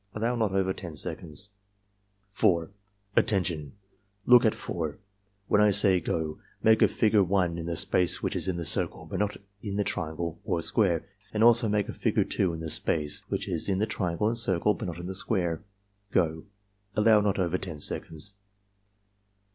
(Allow not over 10 seconds.) 4. "Attention! Look at 4. When I say 'go' make a figure 1 in the space which is in the circle but not in the triangle or square, and also make a figure 2 in the space which is in the triangle and circle, but not in the square. — Go!" (Allow not over 10 seconds.)